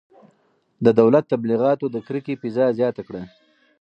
د دولت تبلیغاتو د کرکې فضا زیاته کړه.